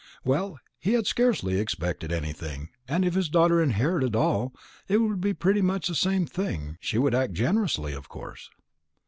Well, he had scarcely expected anything. If his daughter inherited all, it would be pretty much the same thing; she would act generously of course.